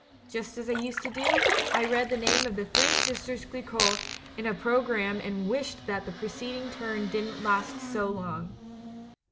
Just as I used to do, I read the name of 'The Three Sisters Chcquot' in a programme and wished that the preceding turn didn't last so long.